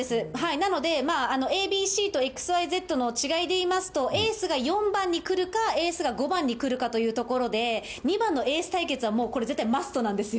なので、ＡＢＣとＸＹＺの違いで言いますと、エースが４番に来るか、エースが５番に来るかというところで、２番のエース対決はもうこれ、絶対マストなんですよ。